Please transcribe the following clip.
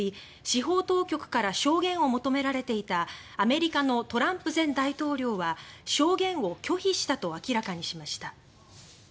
司法当局から証言を求められていたアメリカのトランプ前大統領は証言を拒否したと明らかにしました。